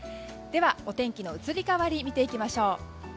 では、お天気の移り変わりを見ていきましょう。